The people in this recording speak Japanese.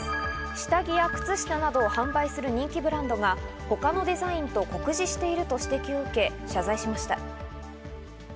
下着や靴下などを販売する人気ブランドが他のデザインと酷似していると指摘を受け、謝罪しました。